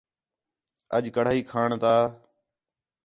اَڄ کڑاہی کھاݨ تا